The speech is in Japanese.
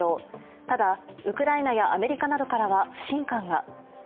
ただ、ウクライナやアメリカなどからは不信感が。